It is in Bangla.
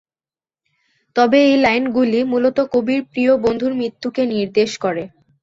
তবে এই লাইনগুলি মূলত কবির প্রিয় বন্ধুর মৃত্যুকে নির্দেশ করে।